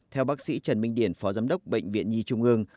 theo bác sĩ trần minh điển phó giám đốc bệnh viện nhi trung ương